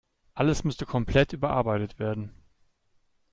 Alles müsste komplett überarbeitet werden.